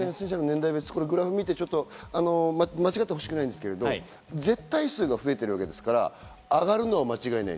グラフを見て間違ってほしくないんですけど絶対数が増えてるわけですから、上がるのは間違いない。